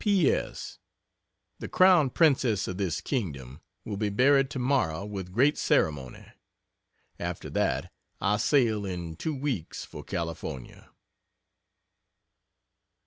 P. S. The crown Princess of this Kingdom will be buried tomorrow with great ceremony after that I sail in two weeks for California.